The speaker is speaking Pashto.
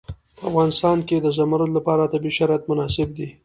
په افغانستان کې د زمرد لپاره طبیعي شرایط مناسب دي.